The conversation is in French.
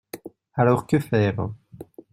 Alors que faire?